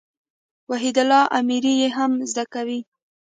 وحيدالله اميري ئې هم زده کوي.